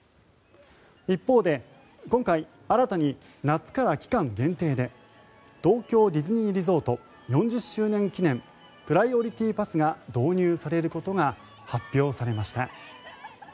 一方で、今回新たに夏から期間限定で東京ディズニーリゾート４０周年記念プライオリティパスが導入されることが発表されました。